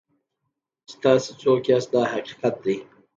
چې تاسو څوک یاست دا حقیقت دی.